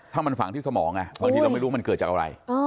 ถ้ามันฝังที่สมองบางทีเราไม่รู้มันเกิดจากอะไร